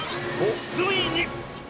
ついに。